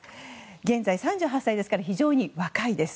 現在３８歳ですから非常に若いです。